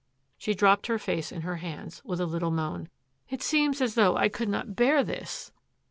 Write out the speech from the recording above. She dropped her face in her hands with a little moan. " It seems as though I could not bear this